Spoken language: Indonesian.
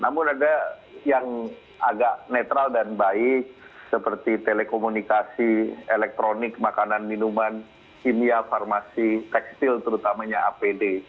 namun ada yang agak netral dan baik seperti telekomunikasi elektronik makanan minuman kimia farmasi tekstil terutamanya apd